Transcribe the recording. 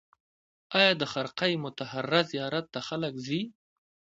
آیا د خرقه مطهره زیارت ته خلک ځي؟